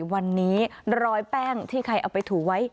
วันนี้รอยแป้งที่ใครเอาไปถูไว้